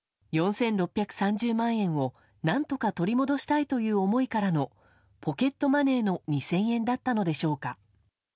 ４６３０万円を、何とか取り戻したいという思いからのポケットマネーの２０００円だったのでしょうか。